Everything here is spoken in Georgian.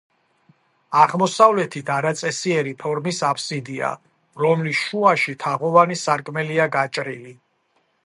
აღმოსავლეთით არაწესიერი ფორმის აფსიდია, რომლის შუაში თაღოვანი სარკმელია გაჭრილი.